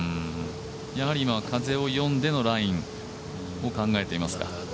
今は風を読んでのラインを考えていますか？